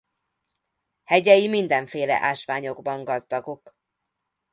Hegyei mindenféle ásványokban gazdagok.